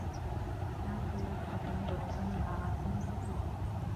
كانت ليلى تقدّم دروسا للعرائس المسيحيّة.